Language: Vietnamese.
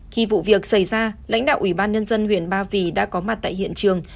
khi vụ việc xảy ra lãnh đạo ủy ban nhân dân huyện ba vì đã có mặt tại hiện trường